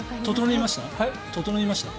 整いました？